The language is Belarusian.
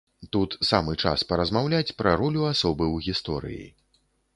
Тут самы час паразмаўляць пра ролю асобы ў гісторыі.